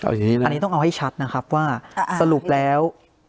อันนี้ต้องเอาให้ชัดนะครับว่าสรุปแล้ว